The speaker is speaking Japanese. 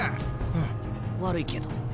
うん悪いけど。